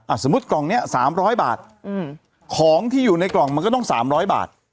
สมมุติกล่องเนี้ยสามร้อยบาทอืมของที่อยู่ในกล่องมันก็ต้องสามร้อยบาท